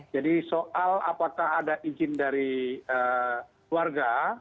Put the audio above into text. jadi soal apakah ada izin dari keluarga